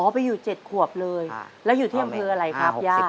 ไปอยู่๗ขวบเลยแล้วอยู่ที่อำเภออะไรครับย่า